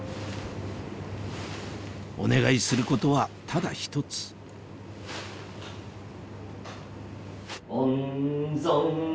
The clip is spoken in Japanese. お願いすることはただ１つ安産。